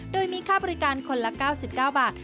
โดยมีค่าบริการคนละ๙๙บาท